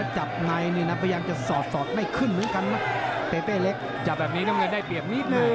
จะสอดสอดได้ขึ้นเหมือนกันนะเป้เป้เล็กจับแบบนี้น้องเงินได้เปรียบนิดหนึ่ง